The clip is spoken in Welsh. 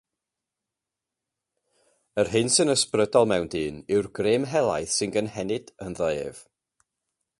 Yr hyn sy'n ysbrydol mewn dyn yw'r grym helaeth sy'n gynhenid ynddo ef.